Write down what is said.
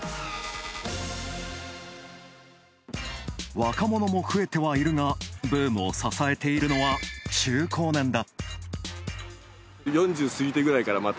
若者も増えてはいるがブームを支えているのは中高年だ。